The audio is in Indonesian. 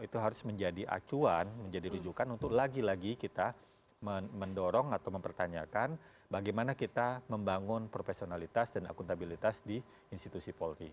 itu harus menjadi acuan menjadi rujukan untuk lagi lagi kita mendorong atau mempertanyakan bagaimana kita membangun profesionalitas dan akuntabilitas di institusi polri